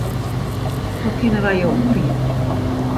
Wat kinne wy jo oanbiede?